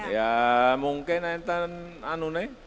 ya mungkin bu sini